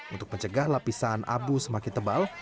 untuk mencegah lapisan abu semakin tebal